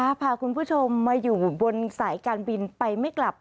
พาคุณผู้ชมมาอยู่บนสายการบินไปไม่กลับ